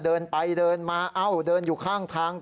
เดินไปเดินมาเอ้าเดินอยู่ข้างทาง